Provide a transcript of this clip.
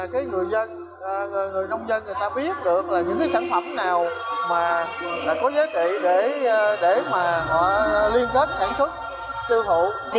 cái người dân người nông dân người ta biết được là những cái sản phẩm nào mà có giá trị để mà họ liên kết sản xuất tiêu thụ